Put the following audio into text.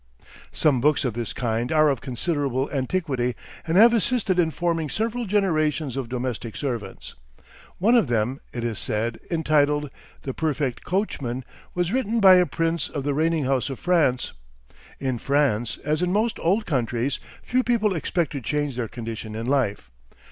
Some books of this kind are of considerable antiquity and have assisted in forming several generations of domestic servants. One of them, it is said, entitled, "The Perfect Coachman," was written by a prince of the reigning house of France. In France, as in most old countries, few people expect to change their condition in life.